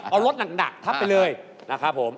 เอารถหนักทับไปเลยนะครับผม